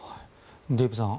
デーブさん